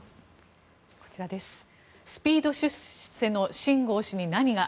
スピード出世のシン・ゴウ氏に何が？